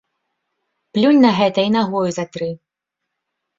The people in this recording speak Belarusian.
Плюнь на гэта і нагою затры.